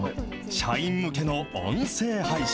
社員向けの音声配信。